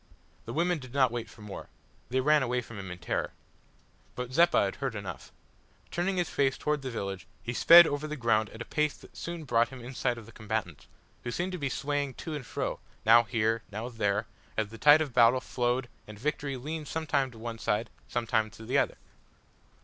The women did not wait for more. They ran away from him in terror. But Zeppa had heard enough. Turning his face towards the village he sped over the ground at a pace that soon brought him in sight of the combatants, who seemed to be swaying to and fro now here, now there as the tide of battle flowed and victory leaned sometimes to one side sometimes to the other.